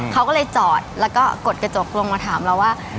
เขาก็เลยจอดแล้วก็กดกระจกลงมาถามเราว่า